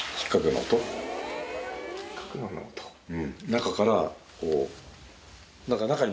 中からこう。